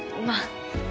まあ。